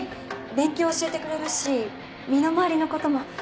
勉強教えてくれるし身の回りのことも。